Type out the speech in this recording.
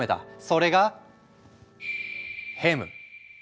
それがヘム。